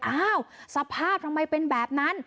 อ้าวสภาพทำไมเป็นแบบนั้น